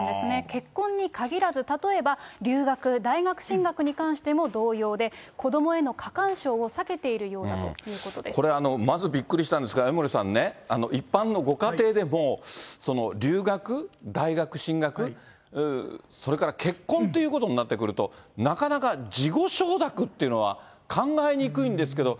結婚に限らず、例えば留学、大学進学に関しても同様で、子どもへの過干渉を避けているようだこれ、まずびっくりしたんですが、江森さんね、一般のご家庭でも留学、大学進学、それから結婚っていうことになってくると、なかなか事後承諾っていうのは、考えにくいんですけど、